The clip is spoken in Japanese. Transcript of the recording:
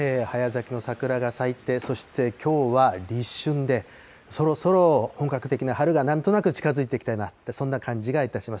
早咲きの桜が咲いて、そして、きょうは立春で、そろそろ本格的な春がなんとなく近づいてきたような、そんな感じがいたします。